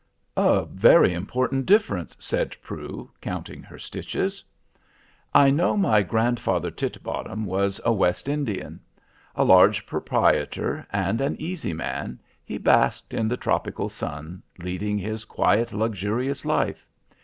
"A very important difference," said Prue, counting her stitches. "You know my grandfather Titbottom was a West Indian. A large proprietor, and an easy man, he basked in the tropical sun, leading his quiet, luxurious life.